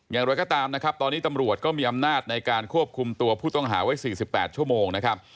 อย่างไรก็ตามนะครับตอนนี้ตำรวจก็มีอำนาจในการควบคุมตัวผู้ต้องหาไว้๔๘ชั่วโมงนะครับ